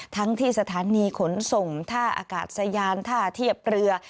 ที่สถานีขนส่งท่าอากาศยานท่าเทียบเรือ